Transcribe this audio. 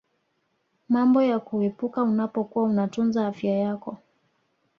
mambo ya kuepuka unapokuwa unatunza afya yako